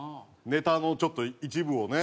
ネタのちょっと一部をね。